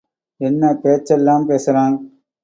என்ன பேச்செல்லாம் பேசறான்.